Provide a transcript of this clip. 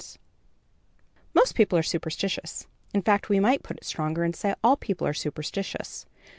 ] Most people are superstitious. In fact, we might put it stronger and say, all people are superstitious.